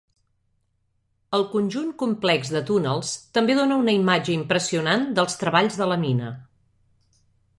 El conjunt complex de túnels també dóna una imatge impressionant dels treballs de la mina.